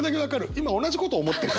今同じこと思ってる。